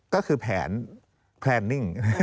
ก็คือแผนแพลนนิ่ง